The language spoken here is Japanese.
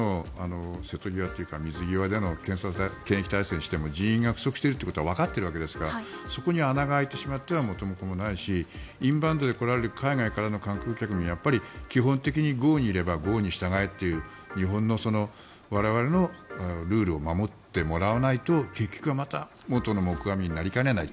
瀬戸際というか水際での検疫体制にしても人員が不足していることはわかっているわけですからそこに穴が開いたら元も子もないしインバウンドで来られる海外の観光客もやっぱり基本的に郷に入れば郷に従えと日本、我々のルールを守ってもらわないと結局はまた元の木阿弥になりかねない